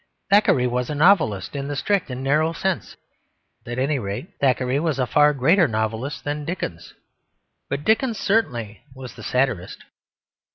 Thackeray was a novelist; in the strict and narrow sense at any rate, Thackeray was a far greater novelist than Dickens. But Dickens certainly was the satirist.